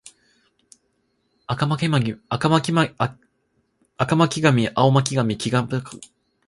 赤巻上青巻紙黄巻紙